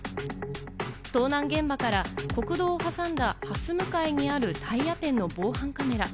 盗難現場から国道を挟んだ、はす向かいにあるタイヤ店の防犯カメラ。